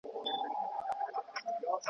د قدرت مي ورته جوړه كړله لاره .